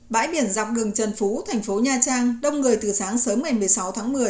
bãi biển dọc đường trần phú thành phố nha trang đông người từ sáng sớm ngày một mươi sáu tháng một mươi